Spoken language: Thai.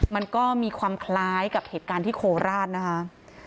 มันก็มีความคล้ายกับเหตุการณ์ที่โคราชนะคะ